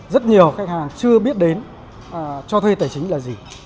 rất nhiều khách hàng chưa biết đến cho thuê tài chính là gì